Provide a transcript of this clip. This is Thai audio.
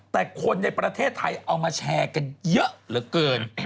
แต่คนในประเทศไทยเอามาแชร์กันเยอะเหลือเกิน